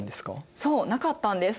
そうなかったんです。